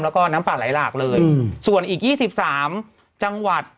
แล้วก็น้ำป่าไหลหลากเลยส่วนอีก๒๓จังหวัด